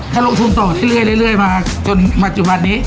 ถ้าลงทุนต่อเรื่อยมาจนมาจุบันนี้